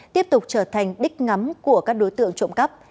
tiếp tục trở thành đích ngắm của các đối tượng trộm cắp